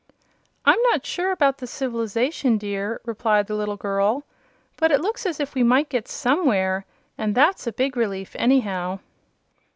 "I'm not sure about the civil'zation, dear," replied the little girl; "but it looks as if we might get SOMEWHERE, and that's a big relief, anyhow."